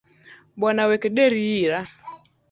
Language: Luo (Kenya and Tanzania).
Bwana wek deri hira.